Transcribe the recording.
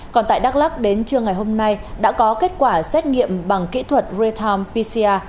còn tại đắk lắc đến trưa ngày hôm nay đã có kết quả xét nghiệm bằng kỹ thuật real time pcr